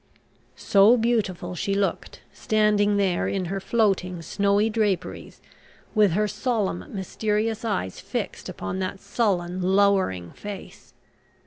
So beautiful she looked, standing there in her floating, snowy draperies, with her solemn, mysterious eyes fixed upon that sullen, lowering face.